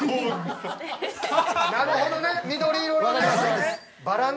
◆なるほどね、緑色のね。